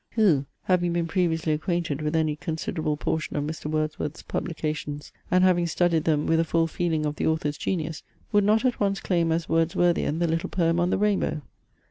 Who, having been previously acquainted with any considerable portion of Mr. Wordsworth's publications, and having studied them with a full feeling of the author's genius, would not at once claim as Wordsworthian the little poem on the rainbow?